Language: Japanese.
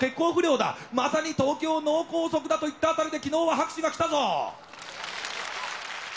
まさに東京脳梗塞だと言った辺りで昨日は拍手が来たぞ！